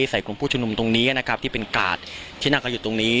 กลุ่มผู้ชุมนุมตรงนี้นะครับที่เป็นกาดที่นั่งกันอยู่ตรงนี้